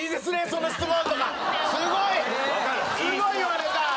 すごいすごい言われた。